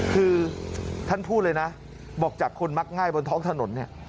คือท่านพูดเลยนะบอกจากคนมักง่ายบนท้องถนนเนี่ย